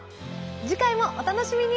次回もお楽しみに。